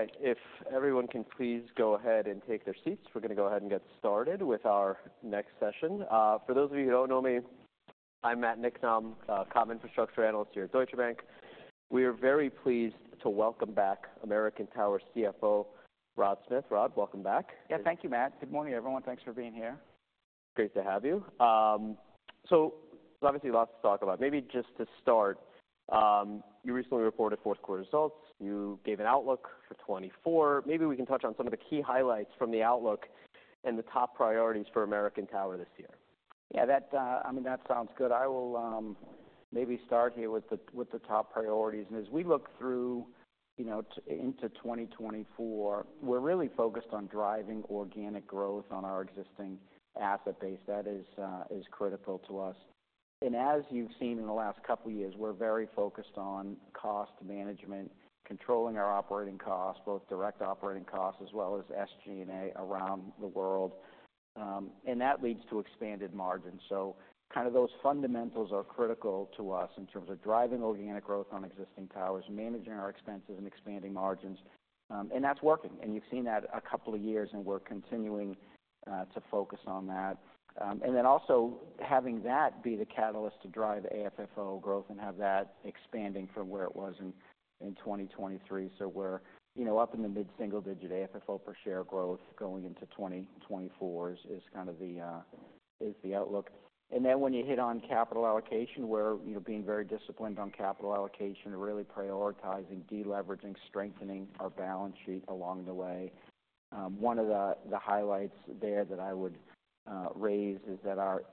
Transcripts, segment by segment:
All right, if everyone can please go a head and take their seats, we're gonna go ahead and get started with our next session. For those of you who don't know me, I'm Matt Niknam, Comm Infrastructure Analyst here at Deutsche Bank. We are very pleased to welcome back American Tower CFO, Rod Smith. Rod Smith, welcome back. Yeah, thank you, Matt Niknam. Good morning, everyone. Thanks for being here. Great to have you. Obviously, lots to talk about. Maybe just to start, you recently reported Q4 results. You gave an outlook for 2024. Maybe we can touch on some of the key highlights from the outlook and the top priorities for American Tower this year. Yeah, that, I mean, that sounds good. I will, maybe start here with the, with the top priorities. And as we look through, you know, into 2024, we're really focused on driving organic growth on our existing asset base. That is, is critical to us. And as you've seen in the last couple of years, we're very focused on cost management, controlling our operating costs, both direct operating costs as well as SG&A around the world, and that leads to expanded margins. So kind of those fundamentals are critical to us in terms of driving organic growth on existing towers, managing our expenses, and expanding margins. And that's working, and you've seen that a couple of years, and we're continuing, to focus on that. And then also, having that be the catalyst to drive AFFO growth and have that expanding from where it was in 2023. So we're, you know, up in the mid-single-digit AFFO per share growth going into 2024 is kind of the outlook. And then when you hit on capital allocation, where, you know, being very disciplined on capital allocation and really prioritizing deleveraging, strengthening our balance sheet along the way. One of the highlights there that I would raise is that our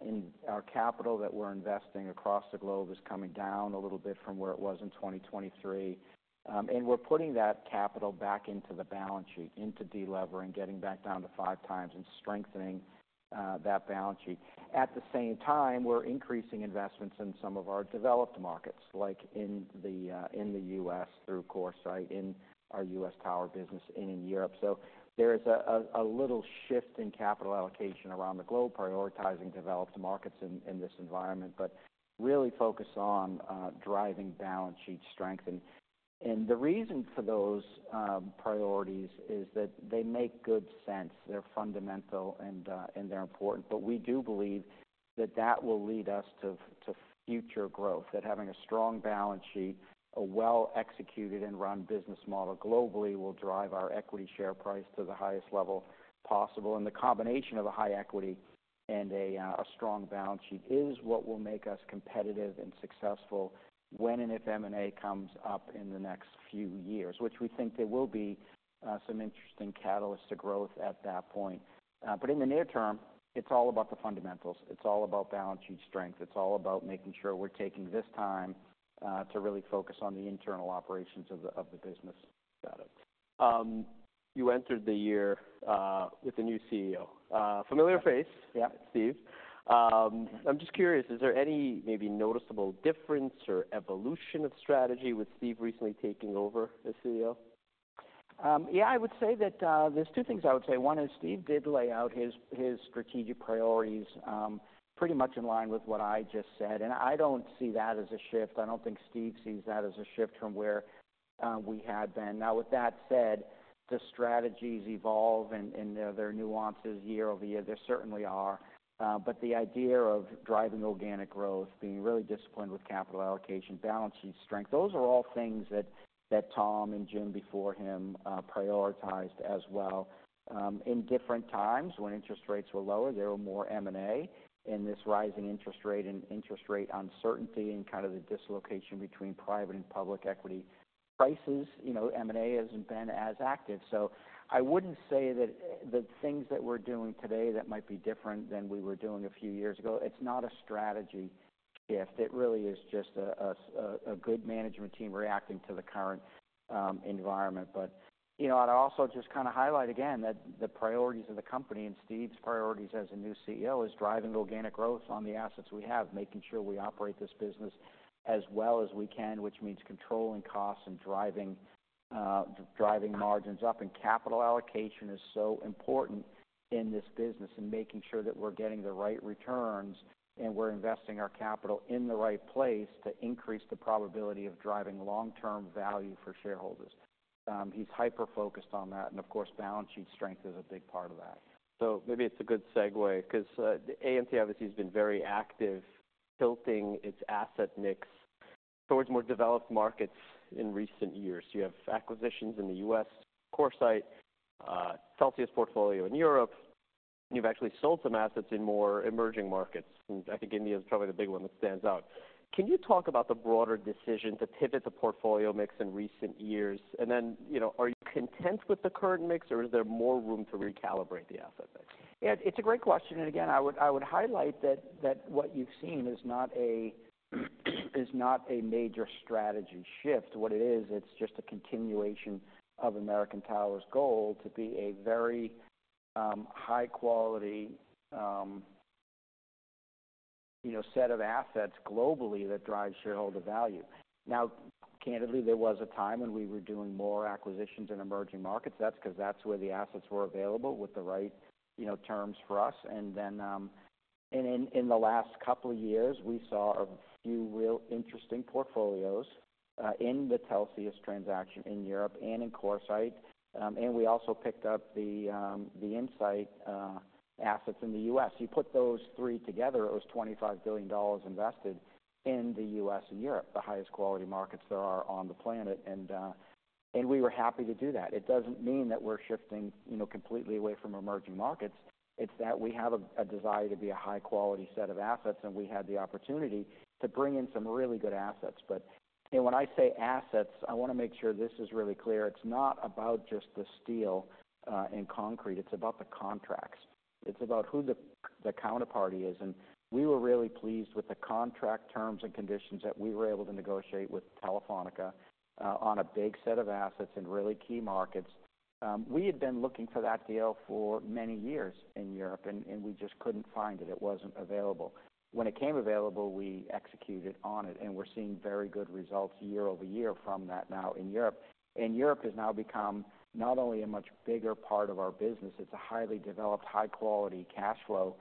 capital that we're investing across the globe is coming down a little bit from where it was in 2023. And we're putting that capital back into the balance sheet, into delevering, getting back down to 5x and strengthening that balance sheet. At the same time, we're increasing investments in some of our developed markets, like in the U.S., through CoreSite, in our U.S. tower business and in Europe. So there is a little shift in capital allocation around the globe, prioritizing developed markets in this environment, but really focused on driving balance sheet strength. And the reason for those priorities is that they make good sense. They're fundamental and they're important. But we do believe that that will lead us to future growth, that having a strong balance sheet, a well-executed and run business model globally, will drive our equity share price to the highest level possible. The combination of a high equity and a strong balance sheet is what will make us competitive and successful when and if M&A comes up in the next few years, which we think there will be some interesting catalyst to growth at that point. But in the near-term, it's all about the fundamentals. It's all about balance sheet strength. It's all about making sure we're taking this time to really focus on the internal operations of the business. Got it. You entered the year with a new CEO, familiar face- Yeah. Steve Vondran. I'm just curious, is there any, maybe noticeable difference or evolution of strategy with Steve Vondran recently taking over as CEO? Yeah, I would say that, there's two things I would say. One is Steve Vondran did lay out his strategic priorities, pretty much in line with what I just said, and I don't see that as a shift. I don't think Steve Vondran sees that as a shift from where we had been. Now, with that said, the strategies evolve and there are nuances year-over-year. There certainly are. But the idea of driving organic growth, being really disciplined with capital allocation, balance sheet strength, those are all things that Tom Bartlett and Jim Taiclet before him prioritized as well. In different times, when interest rates were lower, there were more M&A. In this rising interest rate and interest rate uncertainty and kind of the dislocation between private and public equity prices, you know, M&A hasn't been as active. So I wouldn't say that the things that we're doing today that might be different than we were doing a few years ago, it's not a strategy shift. It really is just a good management team reacting to the current environment. But, you know, I'd also just kind of highlight again that the priorities of the company and Steve Vondran's priorities as a new CEO is driving organic growth on the assets we have, making sure we operate this business as well as we can, which means controlling costs and driving margins up. And capital allocation is so important in this business and making sure that we're getting the right returns, and we're investing our capital in the right place to increase the probability of driving long-term value for shareholders. He's hyper-focused on that, and of course, balance sheet strength is a big part of that. So maybe it's a good segue, because, AMT obviously has been very active, tilting its asset mix towards more developed markets in recent years. You have acquisitions in the U.S., CoreSite, Telxius portfolio in Europe, and you've actually sold some assets in more emerging markets. And I think India is probably the big one that stands out. Can you talk about the broader decision to pivot the portfolio mix in recent years? And then, you know, are you content with the current mix, or is there more room to recalibrate the asset mix? Yeah, it's a great question, and again, I would, I would highlight that, that what you've seen is not a major strategy shift. What it is, it's just a continuation of American Tower's goal to be a very, high-quality, you know, set of assets globally that drive shareholder value. Now, candidly, there was a time when we were doing more acquisitions in emerging markets. That's because that's where the assets were available, with the right, you know, terms for us. And then, in the last couple of years, we saw a few real interesting portfolios, in the Telxius transaction in Europe and in CoreSite. And we also picked up the, the InSite, assets in the U.S. You put those three together, it was $25 billion invested in the U.S. and Europe, the highest quality markets there are on the planet, and, and we were happy to do that. It doesn't mean that we're shifting, you know, completely away from emerging markets. It's that we have a, a desire to be a high quality set of assets, and we had the opportunity to bring in some really good assets. But, and when I say assets, I wanna make sure this is really clear. It's not about just the steel, and concrete, it's about the contracts. It's about who the, the counterparty is, and we were really pleased with the contract terms and conditions that we were able to negotiate with Telefónica, on a big set of assets in really key markets. We had been looking for that deal for many years in Europe, and we just couldn't find it. It wasn't available. When it came available, we executed on it, and we're seeing very good results year-over-year from that now in Europe. And Europe has now become not only a much bigger part of our business, it's a highly developed, high quality cash flow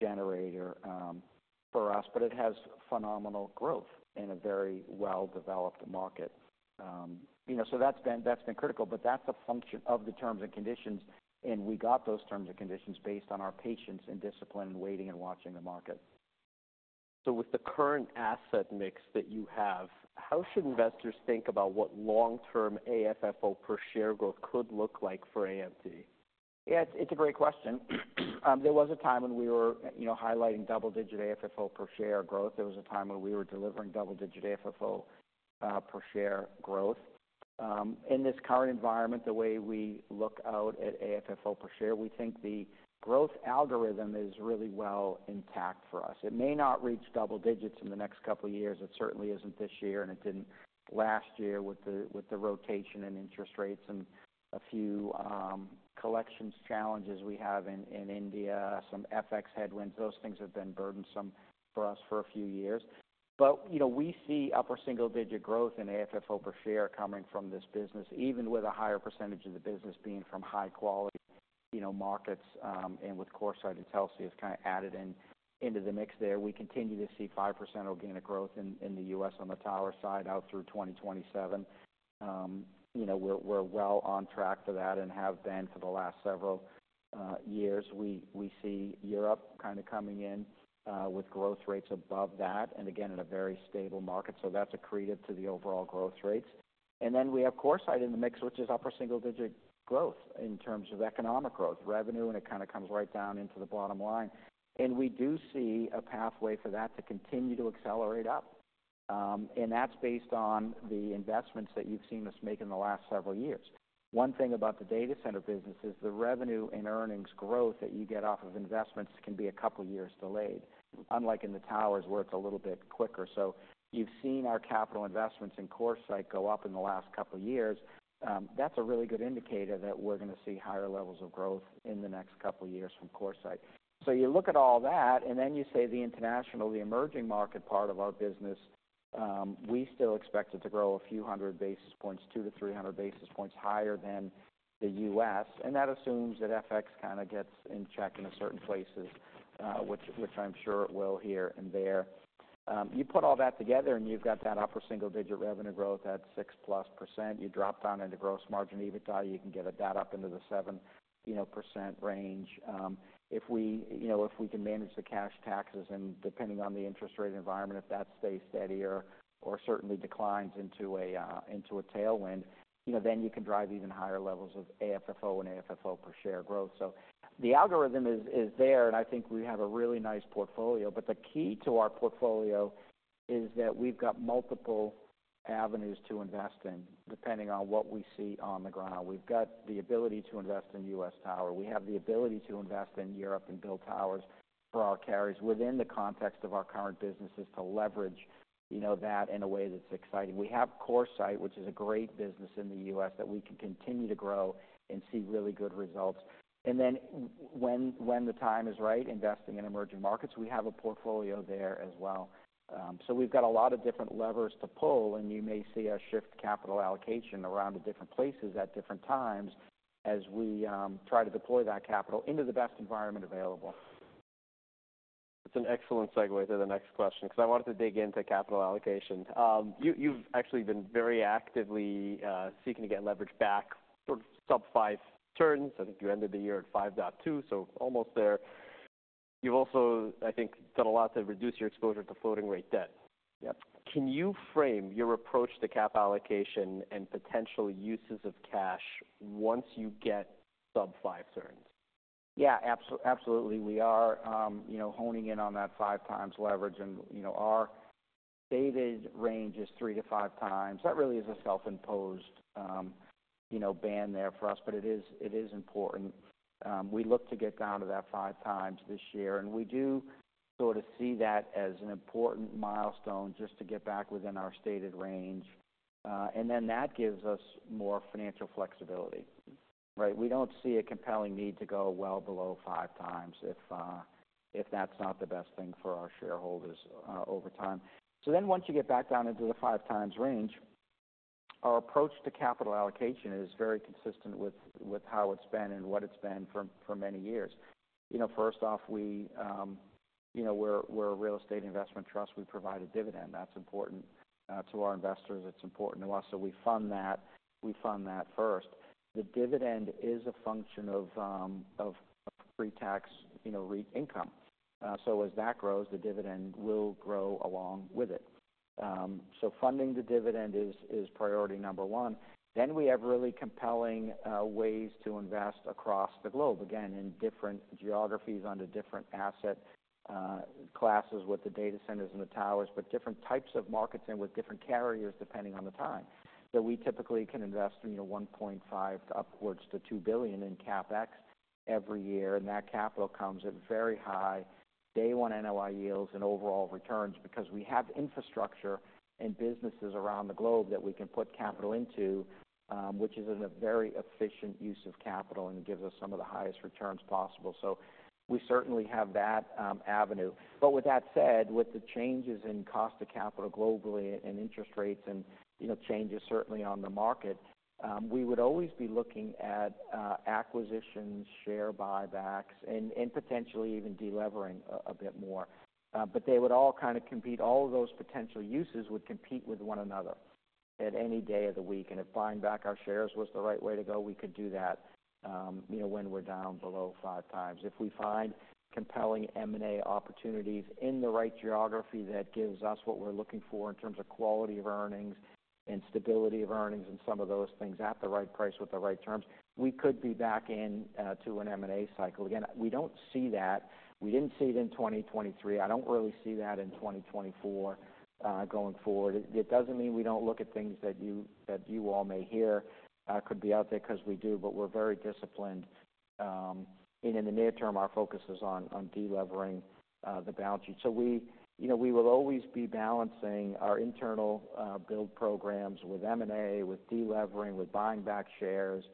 generator for us, but it has phenomenal growth in a very well-developed market. You know, so that's been critical, but that's a function of the terms and conditions, and we got those terms and conditions based on our patience and discipline, and waiting and watching the market. So with the current asset mix that you have, how should investors think about what long-term AFFO per share growth could look like for AMT? Yeah, it's a great question. There was a time when we were, you know, highlighting double-digit AFFO per share growth. There was a time when we were delivering double-digit AFFO per share growth. In this current environment, the way we look out at AFFO per share, we think the growth algorithm is really well intact for us. It may not reach double-digits in the next couple of years. It certainly isn't this year, and it didn't last year with the rotation and interest rates and a few collections challenges we have in India, some FX headwinds. Those things have been burdensome for us for a few years. But, you know, we see upper single-digit growth in AFFO per share coming from this business, even with a higher percentage of the business being from high quality, you know, markets, and with CoreSite and Telxius kind of added in, into the mix there. We continue to see 5% organic growth in the U.S. on the tower side, out through 2027. You know, we're well on track for that and have been for the last several years. We see Europe kind of coming in with growth rates above that, and again, in a very stable market. So that's accretive to the overall growth rates. And then we have CoreSite in the mix, which is upper single-digit growth in terms of economic growth, revenue, a-d it kind of comes right down into the bottom line. We do see a pathway for that to continue to accelerate up. That's based on the investments that you've seen us make in the last several years. One thing about the data center business is the revenue and earnings growth that you get off of investments can be a couple of years delayed, unlike in the towers, where it's a little bit quicker. So you've seen our capital investments in CoreSite go up in the last couple of years. That's a really good indicator that we're gonna see higher levels of growth in the next couple of years from CoreSite. So you look at all that, and then you say the international, the emerging market part of our business, we still expect it to grow a few hundred basis points, 200 basis points-300 basis points higher than the U.S., and that assumes that FX kind of gets in check in certain places, which I'm sure it will here and there. You put all that together, and you've got that upper single-digit revenue growth at 6%+. You drop down into gross margin, EBITDA, you can get that up into the 7%, you know, 7% range. If we, you know, if we can manage the cash taxes, and depending on the interest rate environment, if that stays steadier or certainly declines into a tailwind, you know, then you can drive even higher levels of AFFO and AFFO per share growth. So the algorithm is there, and I think we have a really nice portfolio. But the key to our portfolio is that we've got multiple avenues to invest in, depending on what we see on the ground. We've got the ability to invest in U.S. tower. We have the ability to invest in Europe and build towers for our carriers within the context of our current businesses, to leverage, you know, that in a way that's exciting. We have CoreSite, which is a great business in the U.S., that we can continue to grow and see really good results. And then when the time is right, investing in emerging markets, we have a portfolio there as well. So we've got a lot of different levers to pull, and you may see us shift capital allocation around to different places at different times as we try to deploy that capital into the best environment available. It's an excellent segue to the next question, because I wanted to dig into capital allocation. You've actually been very actively seeking to get leverage back, sort of sub-5x turns. I think you ended the year at 5.2x, so almost there. You've also, I think, done a lot to reduce your exposure to floating rate debt. Yep. Can you frame your approach to cap allocation and potential uses of cash once you get sub five turns? Yeah, absolutely. We are, you know, honing in on that 5x leverage, and, you know, our stated range is 3x-5x. That really is a self-imposed, you know, ban there for us, but it is important. We look to get down to that 5x this year, and we do sort of see that as an important milestone, just to get back within our stated range. And then that gives us more financial flexibility, right? We don't see a compelling need to go well below 5x if, if that's not the best thing for our shareholders, over time. So then once you get back down into the 5x range, our approach to capital allocation is very consistent with, with how it's been and what it's been for, for many years. You know, first off, we, you know, we're, we're a real estate investment trust. We provide a dividend. That's important to our investors. It's important to us, so we fund that, we fund that first. The dividend is a function of, of, of pre-tax, you know, REIT income. So as that grows, the dividend will grow along with it. So funding the dividend is, is priority number one. Then we have really compelling ways to invest across the globe, again, in different geographies, under different asset classes, with the data centers and the towers, but different types of markets and with different carriers, depending on the time. So we typically can invest, you know, $1.5 billion-$2 billion in CapEx every year, and that capital comes at very high day one NOI yields and overall returns, because we have infrastructure and businesses around the globe that we can put capital into, which is in a very efficient use of capital and gives us some of the highest returns possible. So we certainly have that avenue. But with that said, with the changes in cost of capital globally and interest rates and, you know, changes certainly on the market, we would always be looking at acquisitions, share buybacks, and potentially even delevering a bit more. But they would all kind of compete, all of those potential uses would compete with one another at any day of the week. If buying back our shares was the right way to go, we could do that, you know, when we're down below 5x. If we find compelling M&A opportunities in the right geography, that gives us what we're looking for in terms of quality of earnings and stability of earnings and some of those things at the right price, with the right terms, we could be back in to an M&A cycle again. We don't see that. We didn't see it in 2023. I don't really see that in 2024 going forward. It doesn't mean we don't look at things that you, that you all may hear could be out there, 'cause we do, but we're very disciplined. And in the near-term, our focus is on delevering the balance sheet. So we, you know, we will always be balancing our internal build programs with M&A, with delevering, with buying back shares,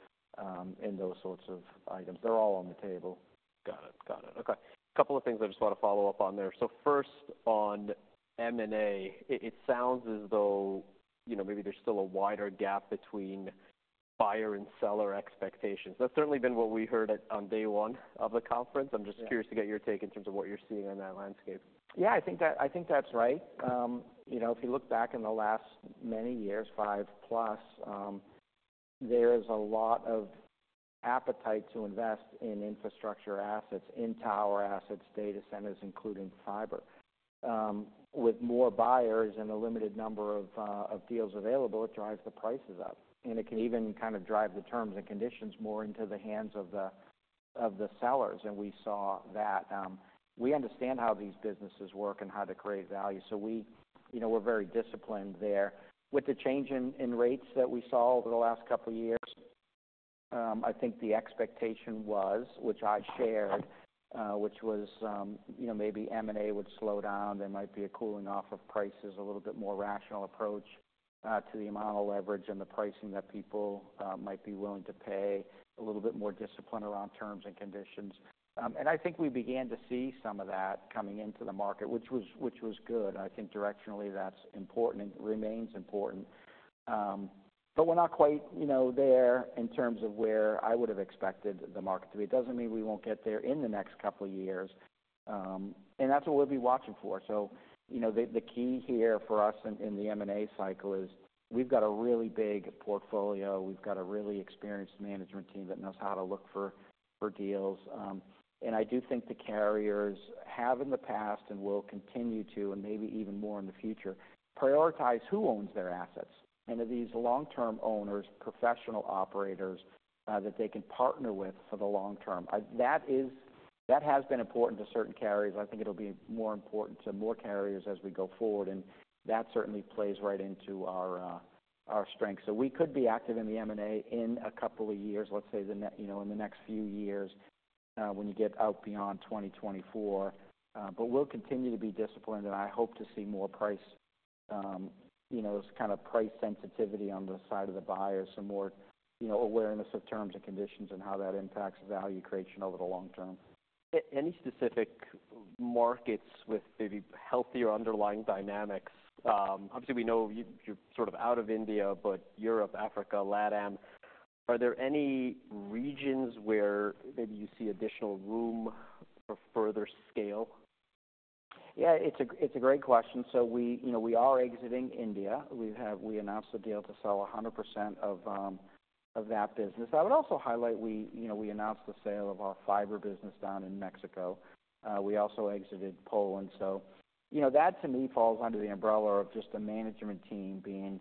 and those sorts of items. They're all on the table. Got it okay. A couple of things I just want to follow up on there. So first, on M&A, it sounds as though, you know, maybe there's still a wider gap between buyer and seller expectations. That's certainly been what we heard at, on day one of the conference. Yeah. I'm just curious to get your take in terms of what you're seeing in that landscape. Yeah, I think that, I think that's right. You know, if you look back in the last many years, 5+, there's a lot of appetite to invest in infrastructure assets, in tower assets, data centers, including fiber. With more buyers and a limited number of deals available, it drives the prices up, and it can even kind of drive the terms and conditions more into the hands of the sellers. And we saw that, we understand how these businesses work and how to create value. So we, you know, we're very disciplined there. With the change in rates that we saw over the last couple years, I think the expectation was, which I shared, which was, you know, maybe M&A would slow down. There might be a cooling off of prices, a little bit more rational approach to the amount of leverage and the pricing that people might be willing to pay, a little bit more discipline around terms and conditions. And I think we began to see some of that coming into the market, which was good. I think directionally, that's important and remains important. But we're not quite, you know, there in terms of where I would have expected the market to be. It doesn't mean we won't get there in the next couple of years, and that's what we'll be watching for. So, you know, the key here for us in the M&A cycle is, we've got a really big portfolio. We've got a really experienced management team that knows how to look for deals. I do think the carriers have in the past and will continue to, and maybe even more in the future, prioritize who owns their assets and of these long-term owners, professional operators, that they can partner with for the long-term. That has been important to certain carriers. I think it'll be more important to more carriers as we go forward, and that certainly plays right into our our strength. So we could be active in the M&A in a couple of years, let's say, you know, in the next few years, when you get out beyond 2024. But we'll continue to be disciplined, and I hope to see more price, you know, kind of price sensitivity on the side of the buyers and more, you know, awareness of terms and conditions and how that impacts value creation over the long-term. Any specific markets with maybe healthier underlying dynamics? Obviously, we know you, you're sort of out of India, but Europe, Africa, LATAM, are there any regions where maybe you see additional room for further scale? Yeah, it's a great question. So we, you know, we are exiting India. We have announced a deal to sell 100% of that business. I would also highlight, we, you know, we announced the sale of our fiber business down in Mexico. We also exited Poland. So, you know, that to me falls under the umbrella of just the management team being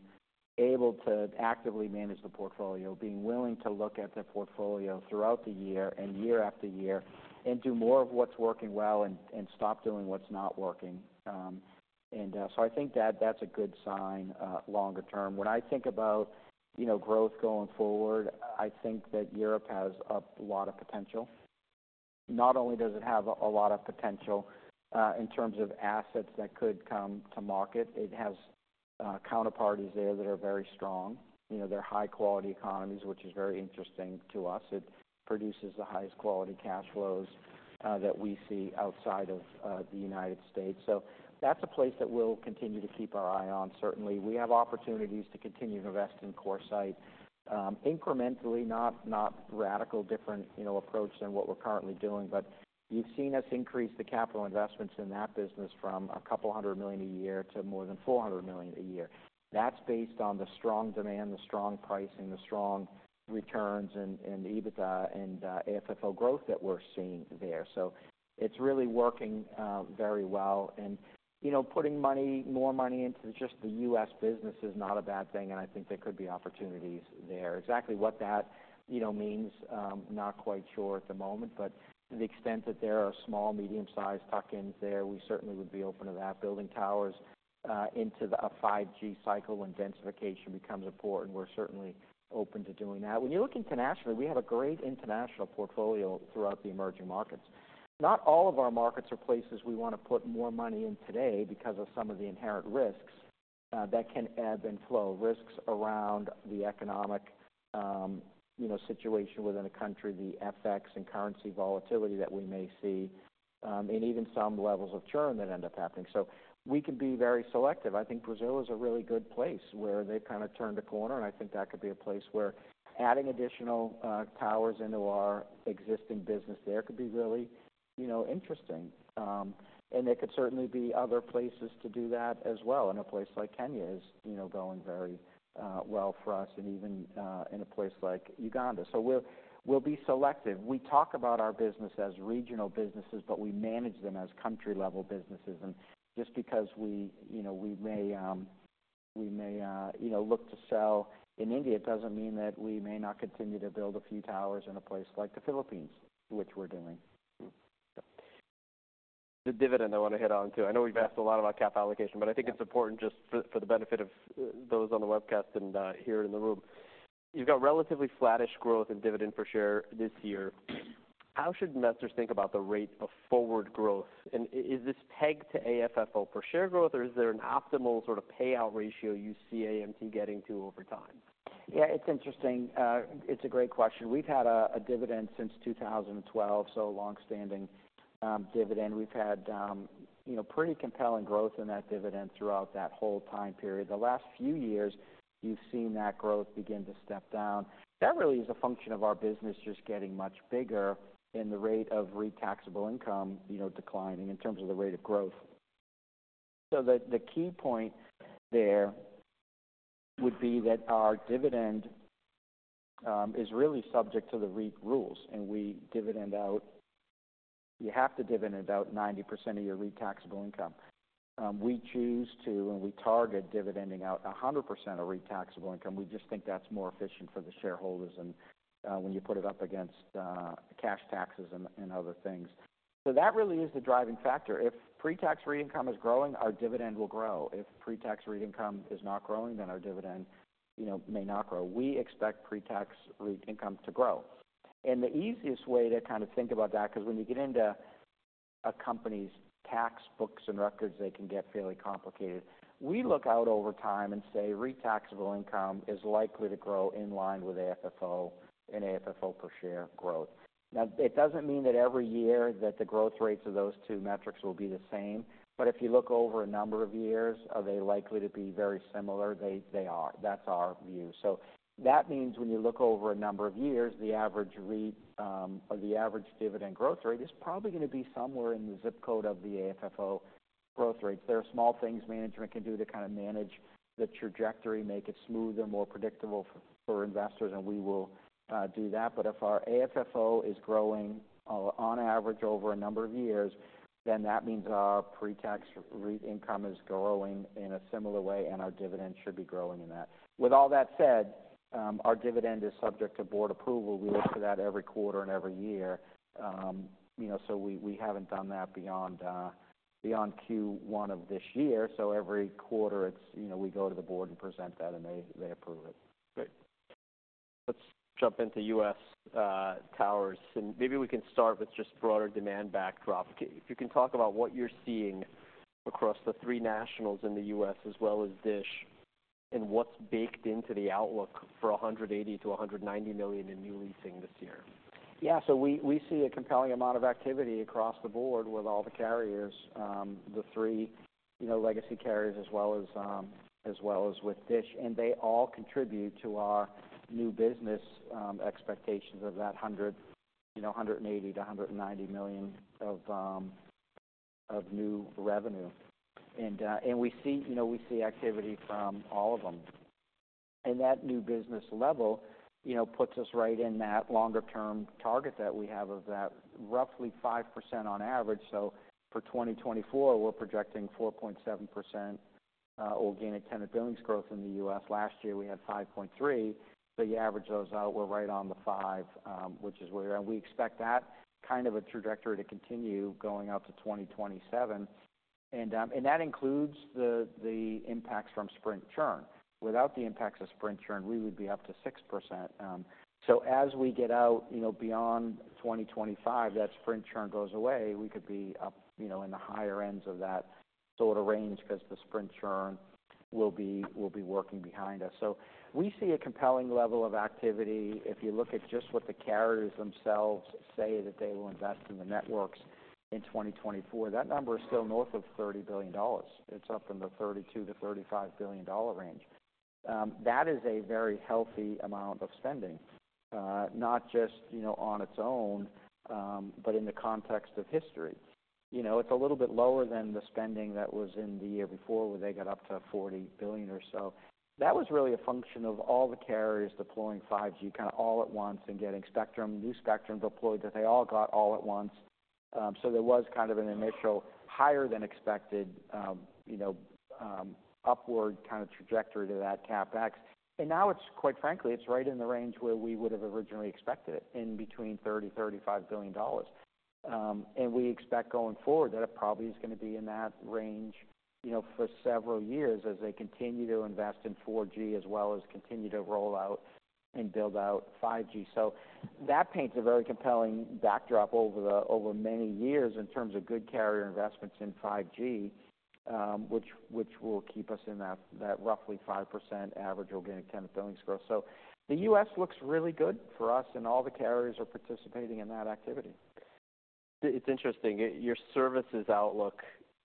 able to actively manage the portfolio, being willing to look at the portfolio throughout the year and year after year, and do more of what's working well and stop doing what's not working. So I think that's a good sign longer term. When I think about, you know, growth going forward, I think that Europe has a lot of potential. Not only does it have a lot of potential, in terms of assets that could come to market, it has, counterparties there that are very strong. You know, they're high quality economies, which is very interesting to us. It produces the highest quality cash flows, that we see outside of, the United States. So that's a place that we'll continue to keep our eye on, certainly. We have opportunities to continue to invest in CoreSite, incrementally, not radical, different, you know, approach than what we're currently doing. But you've seen us increase the capital investments in that business from $200 million a year to more than $400 million a year. That's based on the strong demand, the strong pricing, the strong returns, and EBITDA and AFFO growth that we're seeing there. So it's really working, very well. You know, putting money, more money into just the U.S. business is not a bad thing, and I think there could be opportunities there. Exactly what that, you know, means, not quite sure at the moment, but to the extent that there are small, medium-sized tuck-ins there, we certainly would be open to that. Building towers into a 5G cycle, when densification becomes important, we're certainly open to doing that. When you look internationally, we have a great international portfolio throughout the emerging markets. Not all of our markets are places we wanna put more money in today because of some of the inherent risks that can ebb and flow. Risks around the economic, you know, situation within a country, the FX and currency volatility that we may see, and even some levels of churn that end up happening. So we can be very selective. I think Brazil is a really good place, where they've kind of turned a corner, and I think that could be a place where adding additional, towers into our existing business there could be really, you know, interesting. And there could certainly be other places to do that as well. In a place like Kenya is, you know, going very, well for us, and even, in a place like Uganda. So we'll, we'll be selective. We talk about our business as regional businesses, but we manage them as country-level businesses. And just because we, you know, we may, you know, look to sell in India, doesn't mean that we may not continue to build a few towers in a place like the Philippines, which we're doing. The dividend, I wanna hit on, too. I know we've asked a lot about cap allocation, but I think it's important just for the benefit of those on the webcast and here in the room. You've got relatively flattish growth in dividend per share this year. How should investors think about the rate of forward growth? And is this pegged to AFFO per share growth, or is there an optimal sort of payout ratio you see AMT getting to over time? Yeah, it's interesting. It's a great question. We've had a dividend since 2012, so a long-standing dividend. We've had, you know, pretty compelling growth in that dividend throughout that whole time period. The last few years, you've seen that growth begin to step down. That really is a function of our business just getting much bigger and the rate of REIT taxable income, you know, declining in terms of the rate of growth. So the key point there would be that our dividend is really subject to the REIT rules, and we dividend out, you have to dividend about 90% of your REIT taxable income. We choose to, and we target dividending out 100% of REIT taxable income. We just think that's more efficient for the shareholders and, when you put it up against, cash taxes and, and other things. So that really is the driving factor. If pre-tax REIT income is growing, our dividend will grow. If pre-tax REIT income is not growing, then our dividend, you know, may not grow. We expect pre-tax REIT income to grow. And the easiest way to kind of think about that, 'cause when you get into a company's tax books and records, they can get fairly complicated. We look out over time and say, REIT taxable income is likely to grow in line with AFFO and AFFO per share growth. Now, it doesn't mean that every year, that the growth rates of those two metrics will be the same, but if you look over a number of years, are they likely to be very similar? They are that's our view. So that means when you look over a number of years, the average REIT, or the average dividend growth rate is probably gonna be somewhere in the ZIP code of the AFFO growth rates. There are small things management can do to kind of manage the trajectory, make it smoother, more predictable for, for investors, and we will, do that. But if our AFFO is growing, on average over a number of years, then that means our pre-tax REIT income is growing in a similar way, and our dividend should be growing in that. With all that said, our dividend is subject to board approval. We look at that every quarter and every year. You know, so we, we haven't done that beyond, beyond Q1 of this year. So every quarter, it's, you know, we go to the board and present that, and they approve it. Great. Let's jump into U.S., towers, and maybe we can start with just broader demand backdrop. See if you can talk about what you're seeing across the three nationals in the U.S. as well as Dish, and what's baked into the outlook for $180 million-$190 million in new leasing this year. Yeah, so we see a compelling amount of activity across the board with all the carriers, the three, you know, legacy carriers, as well as, as well as with Dish, and they all contribute to our new business expectations of that $180 million-$190 million of new revenue. And, and we see, you know, we see activity from all of them. And that new business level, you know, puts us right in that longer-term target that we have of that roughly 5% on average. So for 2024, we're projecting 4.7%, organic tenant billings growth in the U.S. Last year, we had 5.3%, so you average those out, we're right on the 5%, which is where we expect that kind of a trajectory to continue going out to 2027. And that includes the impacts from Sprint churn. Without the impacts of Sprint churn, we would be up to 6%. So as we get out, you know, beyond 2025, that Sprint churn goes away, we could be up, you know, in the higher ends of that sort of range because the Sprint churn will be working behind us. So we see a compelling level of activity. If you look at just what the carriers themselves say, that they will invest in the networks in 2024, that number is still north of $30 billion. It's up in the $32 billion-$35 billion range. That is a very healthy amount of spending, not just, you know, on its own, but in the context of history. You know, it's a little bit lower than the spending that was in the year before, where they got up to $40 billion or so. That was really a function of all the carriers deploying 5G kind of all at once and getting spectrum, new spectrum deployed, that they all got all at once. So there was kind of an initial higher than expected, upward kind of trajectory to that CapEx. And now it's quite frankly, it's right in the range where we would have originally expected it, in between $30 billion-$35 billion. And we expect going forward, that it probably is gonna be in that range, you know, for several years as they continue to invest in 4G, as well as continue to roll out and build out 5G. So that paints a very compelling backdrop over many years in terms of good carrier investments in 5G, which will keep us in that roughly 5% average organic tenant billings growth. So the U.S. looks really good for us, and all the carriers are participating in that activity. It's interesting. Your services outlook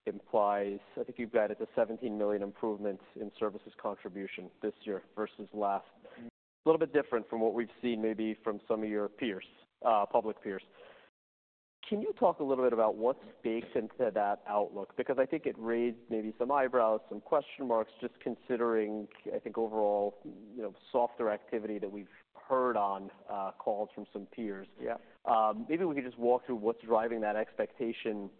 implies, I think you've guided to $17 million improvements in services contribution this year versus last. A little bit different from what we've seen maybe from some of your peers, public peers. Can you talk a little bit about what's baked into that outlook? Because I think it raised maybe some eyebrows, some question marks, just considering, I think, overall, you know, softer activity that we've heard on, calls from some peers. Yeah. Maybe we could just walk through what's driving that expectation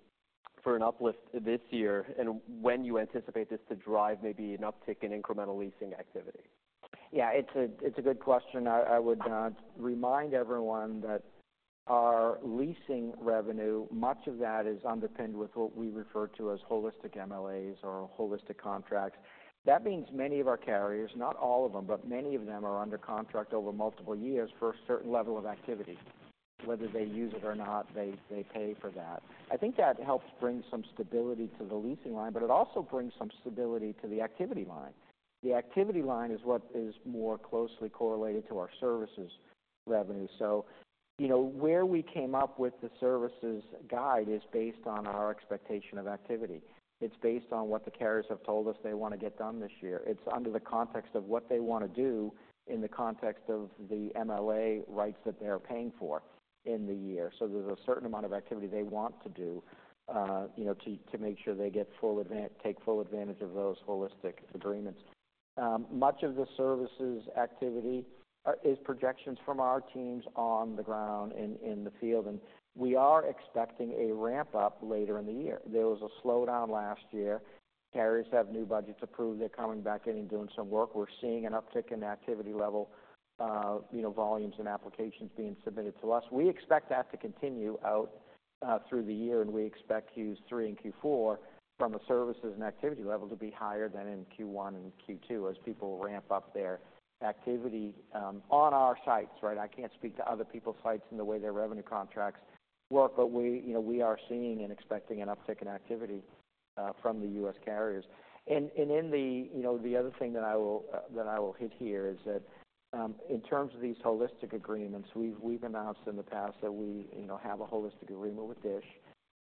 for an uplift this year, and when you anticipate this to drive maybe an uptick in incremental leasing activity? Yeah, it's a good question. I would remind everyone that our leasing revenue, much of that is underpinned with what we refer to as holistic MLAs or holistic contracts. That means many of our carriers, not all of them, but many of them, are under contract over multiple years for a certain level of activity. Whether they use it or not, they pay for that. I think that helps bring some stability to the leasing line, but it also brings some stability to the activity line. The activity line is what is more closely correlated to our services revenue. So you know, where we came up with the services guide is based on our expectation of activity. It's based on what the carriers have told us they wanna get done this year. It's under the context of what they wanna do in the context of the MLA rights that they are paying for in the year. So there's a certain amount of activity they want to do, you know, to make sure they get full advantage of those holistic agreements. Much of the services activity is projections from our teams on the ground in the field, and we are expecting a ramp-up later in the year. There was a slowdown last year. Carriers have new budgets approved. They're coming back in and doing some work. We're seeing an uptick in activity level, you know, volumes and applications being submitted to us. We expect that to continue out through the year, and we expect Q3 and Q4 from a services and activity level to be higher than in Q1 and Q2, as people ramp-up their activity on our sites, right? I can't speak to other people's sites and the way their revenue contracts work, but we, you know, we are seeing and expecting an uptick in activity from the U.S. carriers. And in the, you know, the other thing that I will hit here is that in terms of these holistic agreements, we've announced in the past that we, you know, have a holistic agreement with Dish.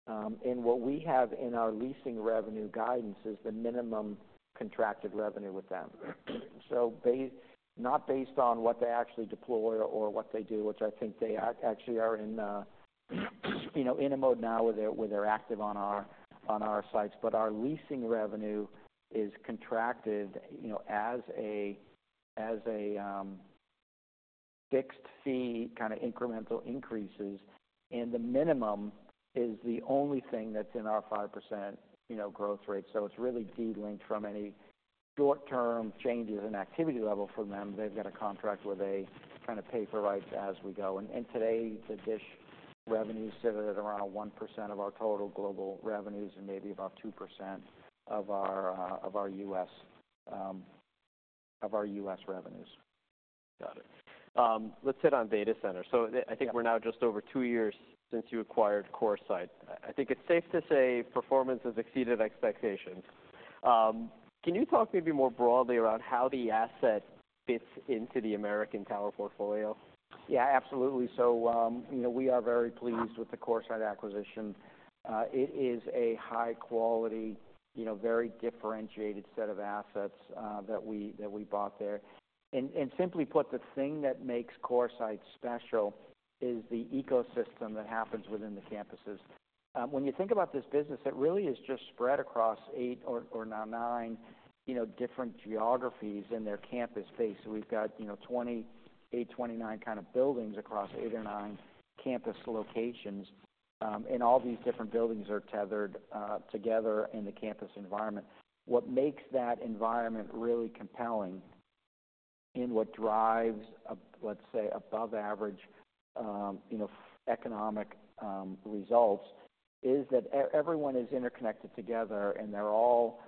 And what we have in our leasing revenue guidance is the minimum contracted revenue with them. So not based on what they actually deploy or what they do, which I think they are, actually are in, you know, in a mode now where they're, where they're active on our sites. But our leasing revenue is contracted, you know, as a, as a, fixed fee, kind of incremental increases, and the minimum is the only thing that's in our 5%, you know, growth rate. So it's really delinked from any short-term changes in activity level from them. They've got a contract where they kind of pay for rights as we go. And, and today, the Dish revenues sit at around a 1% of our total global revenues and maybe about 2% of our, of our U.S. revenues. Got it. Let's hit on data center. So I think we're now just over two years since you acquired CoreSite. I think it's safe to say performance has exceeded expectations. Can you talk maybe more broadly around how the asset fits into the American Tower portfolio? Yeah, absolutely. So, you know, we are very pleased with the CoreSite acquisition. It is a high quality, you know, very differentiated set of assets that we, that we bought there. And simply put, the thing that makes CoreSite special is the ecosystem that happens within the campuses. When you think about this business, it really is just spread across 8 or now 9, you know, different geographies in their campus space. So we've got, you know, 28, 29 kind of buildings across 8 or 9 campus locations. And all these different buildings are tethered together in the campus environment. What makes that environment really compelling... In what drives, let's say, above average, you know, economic results, is that everyone is interconnected together, and they're all,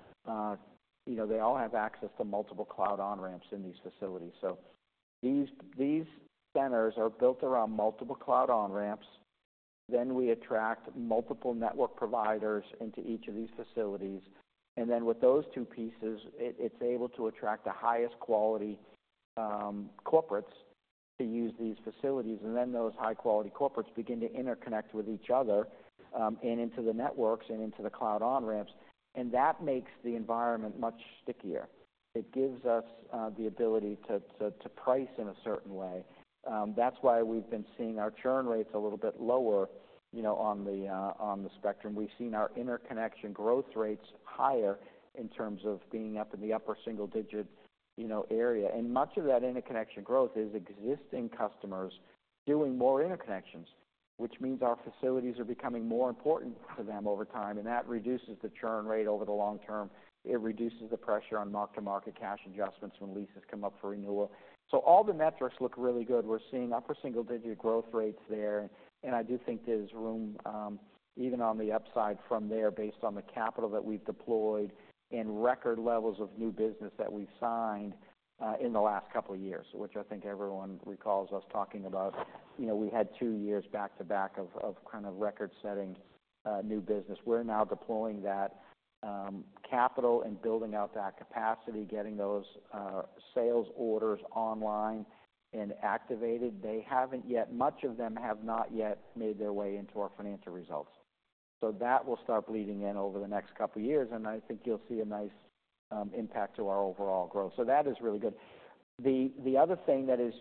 you know, they all have access to multiple cloud on-ramps in these facilities. So these, these centers are built around multiple cloud on-ramps, then we attract multiple network providers into each of these facilities. And then with those two pieces, it, it's able to attract the highest quality, corporates to use these facilities, and then those high quality corporates begin to interconnect with each other, and into the networks and into the cloud on-ramps. And that makes the environment much stickier. It gives us, the ability to price in a certain way. That's why we've been seeing our churn rates a little bit lower, you know, on the, on the spectrum. We've seen our interconnection growth rates higher in terms of being up in the upper single digits, you know, area. And much of that interconnection growth is existing customers doing more interconnections, which means our facilities are becoming more important to them over time, and that reduces the churn rate over the long-term. It reduces the pressure on mark-to-market cash adjustments when leases come up for renewal. So all the metrics look really good. We're seeing upper-single-digit growth rates there, and I do think there's room, even on the upside from there, based on the capital that we've deployed and record levels of new business that we've signed, in the last couple of years, which I think everyone recalls us talking about. You know, we had two years back-to-back of kind of record-setting, new business. We're now deploying that capital and building out that capacity, getting those sales orders online and activated. Much of them have not yet made their way into our financial results. So that will start bleeding in over the next couple of years, and I think you'll see a nice impact to our overall growth. So that is really good. The other thing that is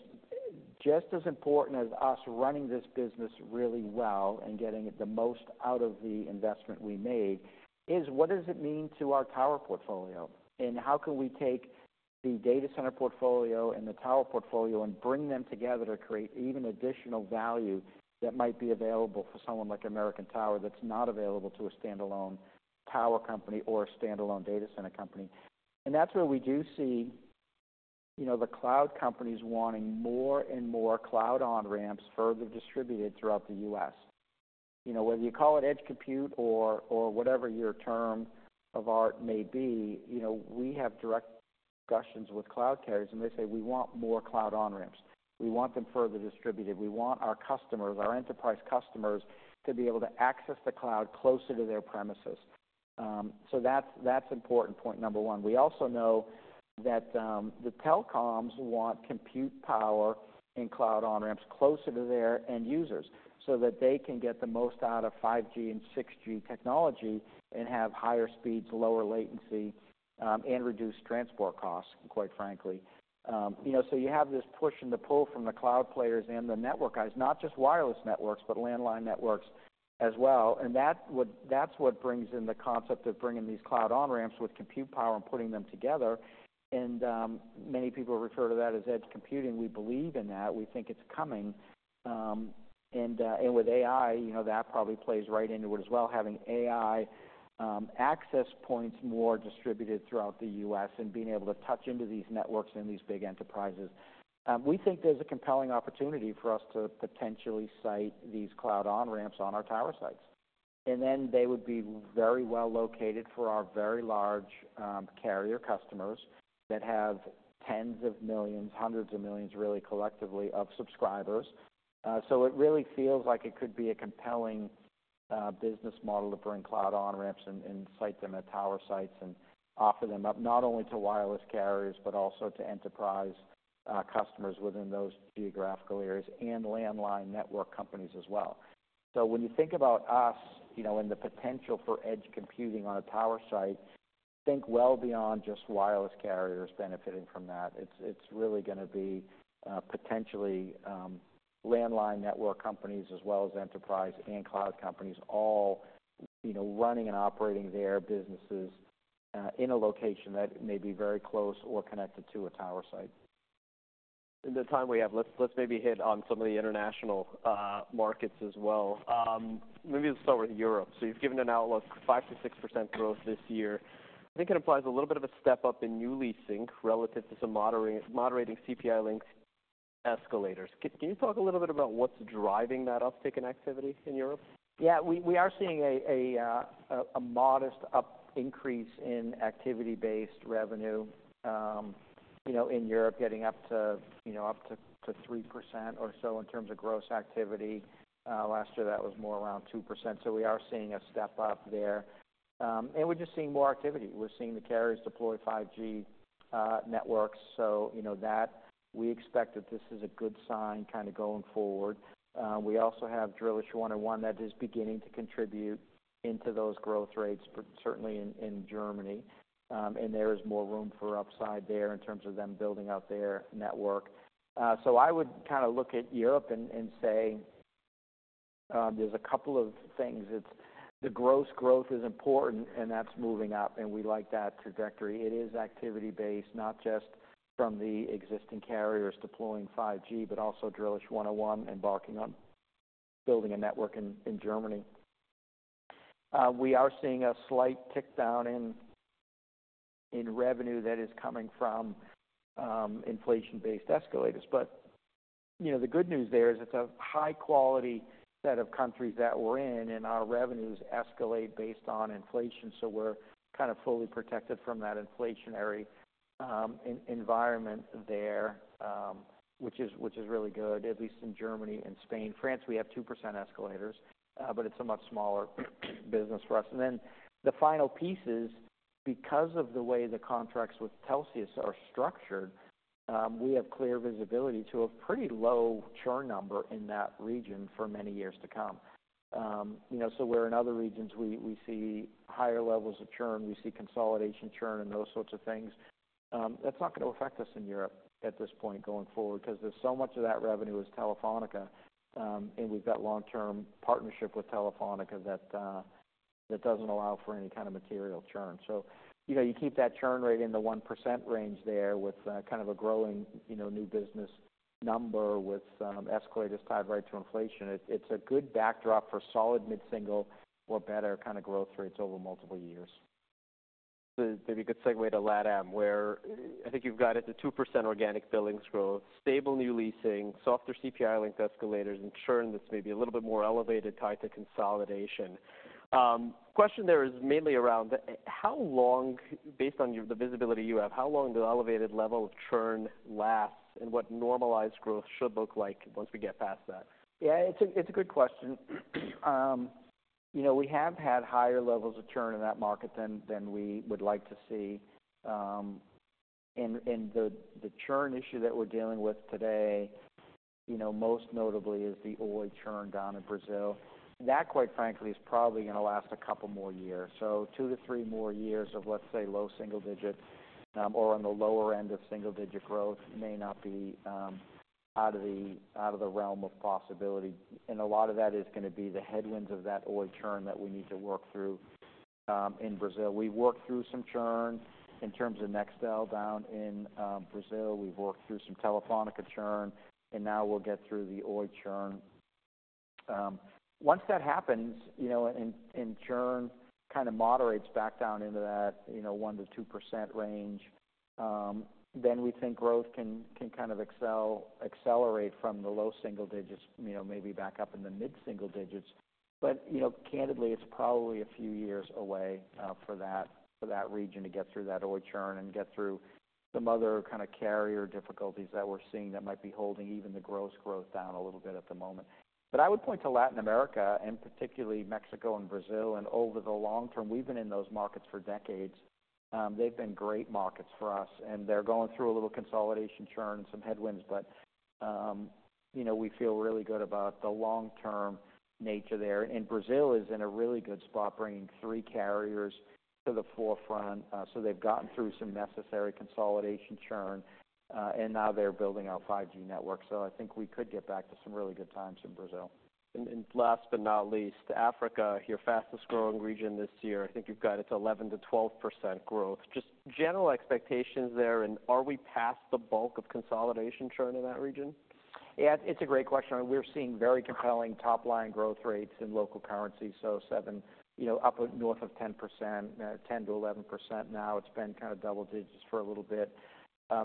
just as important as us running this business really well and getting the most out of the investment we made, is what does it mean to our tower portfolio? And how can we take the data center portfolio and the tower portfolio and bring them together to create even additional value that might be available for someone like American Tower, that's not available to a standalone tower company or a standalone data center company. That's where we do see, you know, the cloud companies wanting more and more cloud on-ramps further distributed throughout the U.S. You know, whether you call it edge compute or, or whatever your term of art may be, you know, we have direct discussions with cloud carriers, and they say, "We want more cloud on-ramps. We want them further distributed. We want our customers, our enterprise customers, to be able to access the cloud closer to their premises." So that's, that's important, point number one. We also know that, the telecoms want compute power and cloud on-ramps closer to their end users, so that they can get the most out of 5G and 6G technology and have higher speeds, lower latency, and reduced transport costs, quite frankly. You know, so you have this push and the pull from the cloud players and the network guys, not just wireless networks, but landline networks as well. And that's what brings in the concept of bringing these cloud on-ramps with compute power and putting them together. And many people refer to that as edge computing. We believe in that. We think it's coming. And with AI, you know, that probably plays right into it as well, having AI access points more distributed throughout the U.S. and being able to touch into these networks and these big enterprises. We think there's a compelling opportunity for us to potentially site these cloud on-ramps on our tower sites. Then they would be very well located for our very large carrier customers that have tens of millions, hundreds of millions, really, collectively, of subscribers. So it really feels like it could be a compelling business model to bring cloud on-ramps and site them at tower sites and offer them up not only to wireless carriers, but also to enterprise customers within those geographical areas and landline network companies as well. So when you think about us, you know, and the potential for edge computing on a tower site, think well beyond just wireless carriers benefiting from that. It's really gonna be potentially landline network companies as well as enterprise and cloud companies all, you know, running and operating their businesses in a location that may be very close or connected to a tower site. In the time we have, let's maybe hit on some of the international markets as well. Maybe let's start with Europe. So you've given an outlook, 5%-6% growth this year. I think it implies a little bit of a step up in new leasing relative to some moderating CPI-linked escalators. Can you talk a little bit about what's driving that uptick in activity in Europe? Yeah, we are seeing a modest up increase in activity-based revenue, you know, in Europe, getting up to, you know, up to 3% or so in terms of gross activity. Last year, that was more around 2%, so we are seeing a step up there. And we're just seeing more activity. We're seeing the carriers deploy 5G networks, so you know, that we expect that this is a good sign kind of going forward. We also have Drillisch Online that is beginning to contribute into those growth rates, but certainly in Germany. And there is more room for upside there in terms of them building out their network. So I would kind of look at Europe and say, there's a couple of things. It's the gross growth is important, and that's moving up, and we like that trajectory. It is activity-based, not just from the existing carriers deploying 5G, but also Drillisch Online embarking on building a network in Germany. We are seeing a slight tick down in revenue that is coming from inflation-based escalators. But, you know, the good news there is it's a high quality set of countries that we're in, and our revenues escalate based on inflation, so we're kind of fully protected from that inflationary environment there, which is really good, at least in Germany and Spain. France, we have 2% escalators, but it's a much smaller business for us. And then the final piece is, because of the way the contracts with Telxius are structured, we have clear visibility to a pretty low churn number in that region for many years to come. You know, so where in other regions, we, we see higher levels of churn, we see consolidation churn and those sorts of things, that's not gonna affect us in Europe at this point going forward, 'cause there's so much of that revenue is Telefónica, and we've got long-term partnership with Telefónica that, that doesn't allow for any kind of material churn. So, you know, you keep that churn rate in the 1% range there with, kind of a growing, you know, new business number with some escalators tied right to inflation. It's a good backdrop for solid mid-single or better kind of growth rates over multiple years. That'd be a good segue to LATAM, where I think you've got it to 2% organic billings growth, stable new leasing, softer CPI-linked escalators, and churn that's maybe a little bit more elevated, tied to consolidation. The question there is mainly around how long, based on the visibility you have, how long the elevated level of churn lasts and what normalized growth should look like once we get past that? Yeah, it's a, it's a good question. You know, we have had higher levels of churn in that market than, than we would like to see. And, and the, the churn issue that we're dealing with today, you know, most notably is the Oi churn down in Brazil. That, quite frankly, is probably gonna last a couple more years. So 2 years-3 more years of, let's say, low-single-digit, or on the lower-end of single-digit growth, may not be out of the realm of possibility. And a lot of that is gonna be the headwinds of that Oi churn that we need to work through, in Brazil. We worked through some churn in terms of Nextel down in, Brazil, we've worked through some Telefónica churn, and now we'll get through the Oi churn. Once that happens, you know, and churn kinda moderates back down into that, you know, 1%-2% range, then we think growth can kind of accelerate from the low-single-digits, you know, maybe back up in the mid-single-digits. But, you know, candidly, it's probably a few years away, for that region to get through that Oi churn and get through some other kind of carrier difficulties that we're seeing that might be holding even the gross growth down a little bit at the moment. But I would point to Latin America, and particularly Mexico and Brazil, and over the long term, we've been in those markets for decades. They've been great markets for us, and they're going through a little consolidation churn, some headwinds, but, you know, we feel really good about the long-term nature there. And Brazil is in a really good spot, bringing three carriers to the forefront. So they've gotten through some necessary consolidation churn, and now they're building out 5G networks. So I think we could get back to some really good times in Brazil. And last but not least, Africa, your fastest growing region this year. I think you've got it to 11%-12% growth. Just general expectations there, and are we past the bulk of consolidation churn in that region? Yeah, it's a great question. We're seeing very compelling top line growth rates in local currency, so seven, you know, up at north of 10%-11% now. It's been kind of double-digits for a little bit.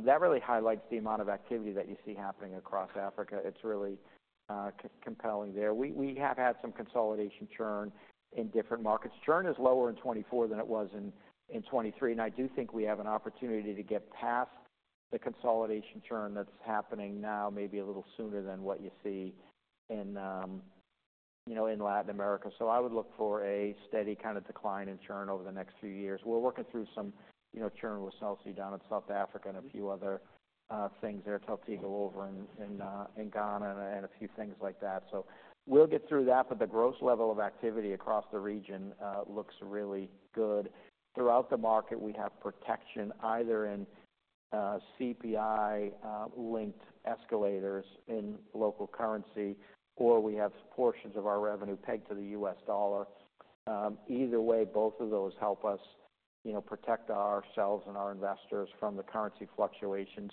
That really highlights the amount of activity that you see happening across Africa. It's really compelling there. We have had some consolidation churn in different markets. Churn is lower in 2024 than it was in 2023, and I do think we have an opportunity to get past the consolidation churn that's happening now, maybe a little sooner than what you see in, you know, in Latin America. So I would look for a steady kind of decline in churn over the next few years. We're working through some, you know, churn with Cell C down in South Africa and a few other things there, Tigo over in Ghana and a few things like that. So we'll get through that, but the gross level of activity across the region looks really good. Throughout the market, we have protection either in CPI-linked escalators in local currency, or we have portions of our revenue pegged to the U.S. $. Either way, both of those help us, you know, protect ourselves and our investors from the currency fluctuations.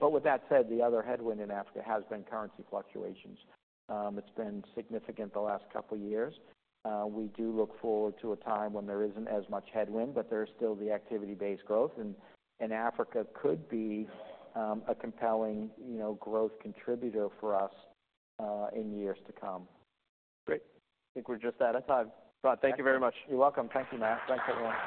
But with that said, the other headwind in Africa has been currency fluctuations. It's been significant the last couple of years. We do look forward to a time when there isn't as much headwind, but there's still the activity-based growth, and Africa could be a compelling, you know, growth contributor for us in years to come. Great. I think we're just out of time. Rod Smith, thank you very much. You're welcome. Thank you, Matt Niknam. Thanks, everyone.